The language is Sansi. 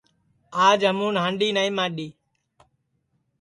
آج ہمُون ہانڈؔی نائی ماڈؔی